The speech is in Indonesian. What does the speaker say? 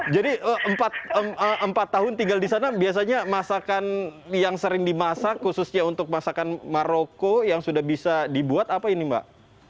jadi empat tahun tinggal di sana biasanya masakan yang sering dimasak khususnya untuk masakan maroko yang sudah bisa dibuat apa ini mbak